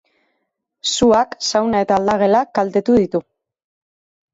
Suak sauna eta aldagelak kaltetu ditu.